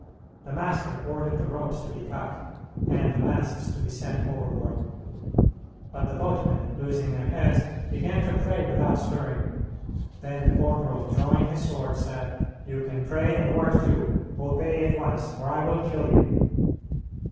The master ordered the ropes to be cut and the masts to be sent overboard: but the boatmen, losing their heads, began to pray without stirring. Then the corporal, drawing his sword, said, "You can pray and work too; obey at once, or I will kill you."